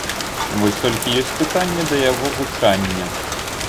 Вось толькі ёсць пытанні да яго гучання.